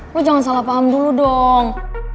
lo jangan salah paham dulu dong